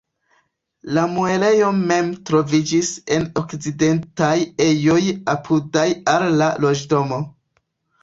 La muelejo mem troviĝis en okcidentaj ejoj apudaj al la loĝdomo.